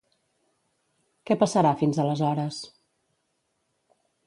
Què passarà fins aleshores?